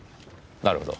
なるほど。